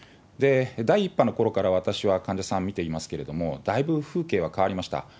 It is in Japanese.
第１波のころから私は患者さんを診ていますけれども、だいぶ風景は変わりました。